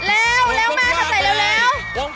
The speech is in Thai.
เร็วเร็วมาค่ะใส่เร็ว